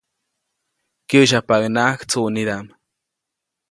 Kyäsyapaʼuŋnaʼak tsuʼnidaʼm.